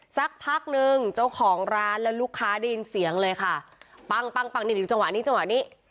สักพักนึงเจ้าของร้านและลูกค้าได้ยินเสียงเลยค่ะปั้งปั้งปังนี่ดูจังหวะนี้จังหวะนี้